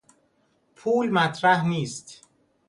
پول مطرح نیست.